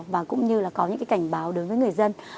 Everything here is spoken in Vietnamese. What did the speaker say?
và cũng như là có những cái cảnh báo đối với người dân